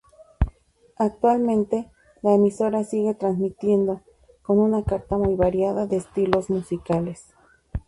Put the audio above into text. Actualmente, la emisora sigue transmitiendo, con una carta muy variada de estilos musicales.